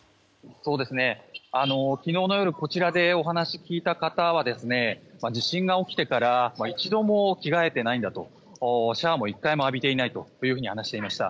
昨日の夜こちらでお話を聞いた方は地震が起きてから一度も着替えてないんだとシャワーも１回も浴びていないと話していました。